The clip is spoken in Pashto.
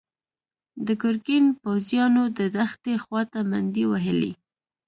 د ګرګين پوځيانو د دښتې خواته منډې وهلي.